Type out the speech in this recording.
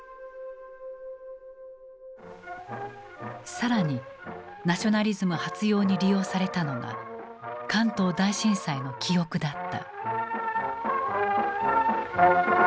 更にナショナリズム発揚に利用されたのが関東大震災の記憶だった。